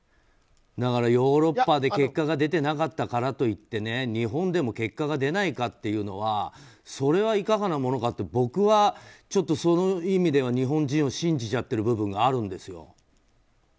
だからヨーロッパで、結果が出ていなかったからといって日本でも結果が出ないかというのはそれはいかがなものかと僕は、その意味では日本人を信じちゃっている部分があるんですよ。